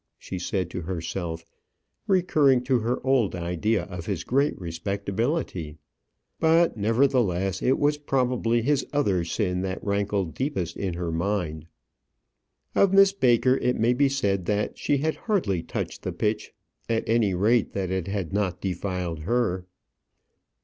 she said to herself, recurring to her old idea of his great respectability. But, nevertheless, it was probably his other sin that rankled deepest in her mind. Of Miss Baker it may be said that she had hardly touched the pitch; at any rate, that it had not defiled her.